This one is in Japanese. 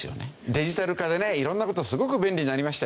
デジタル化でね色んな事すごく便利になりましたよね。